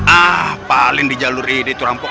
ah paling di jaluri itu rampok